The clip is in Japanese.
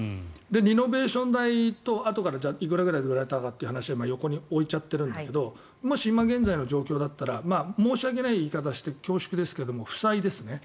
リノベーション代とあとでいくらで売られたかという話は横に置いちゃってるんだけど今現在の状況だったら申し訳ない言い方をして恐縮ですけど負債ですね。